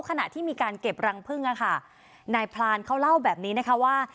ขณะที่มีการเก็บรังพึ่งอะค่ะนายพรานเขาเล่าแบบนี้นะคะว่า